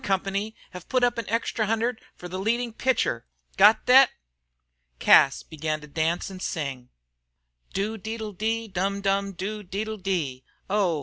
have put up an extra hundred for the leadin' pitcher. Got thet?" Cas began to dance and sing. "Dodiddle de dum dum do diddle de. Oh!